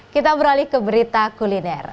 kita beralih ke berita kuliner